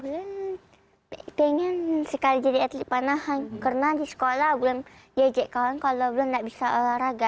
bulan pengen sekali jadi atlet panahan karena di sekolah bulan jajek kawan kalau bulan nggak bisa olahraga